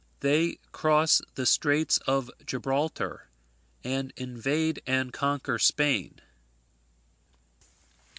They cross the straits of Gibraltar, and invade and conquer Spain.